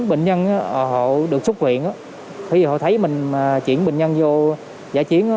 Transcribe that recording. các bệnh nhân họ được xuất viện khi họ thấy mình chuyển bệnh nhân vô giải chiến